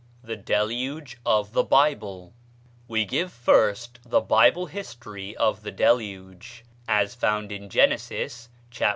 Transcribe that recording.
THE DELUGE OF THE BIBLE We give first the Bible history of the Deluge, as found in Genesis (chap.